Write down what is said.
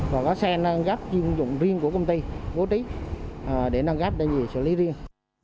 và có xe nâng gấp chuyên dụng riêng của công ty bố trí để nâng cấp để xử lý riêng